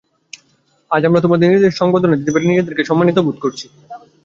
আমরা তোমাদের সংবর্ধনা দিতে পেরে নিজেদেরই সম্মানিত বোধ করছি, অনুপ্রাণিত বোধ করছি।